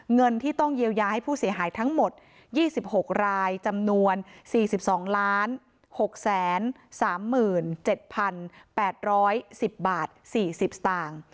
เงินที่ต้องเยียวยาให้ผู้เสียหายทั้งหมด๒๖รายจำนวน๔๒๖๓๗๘๑๐บาท๔๐สตางค์